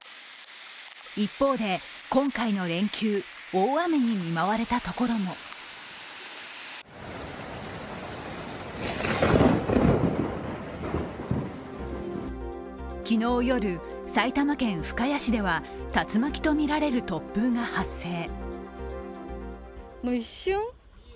一方で今回の連休、大雨に見舞われたところも昨日夜、埼玉県深谷市では竜巻とみられる突風が発生。